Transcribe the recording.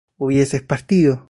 hubieses partido